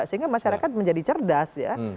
sehingga masyarakat menjadi cerdas ya